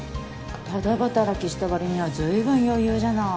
タダ働きした割には随分余裕じゃない。